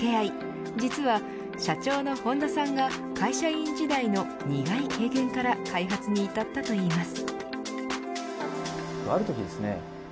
実は、社長の本田さんが会社員時代の苦い経験から開発に至ったといいます。